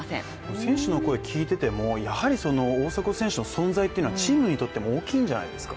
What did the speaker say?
選手の声聞いてても、大迫選手の存在っていうのはチームにとっても大きいんじゃないですか？